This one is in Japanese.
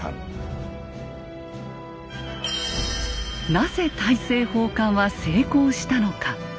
なぜ大政奉還は成功したのか。